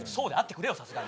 さすがに。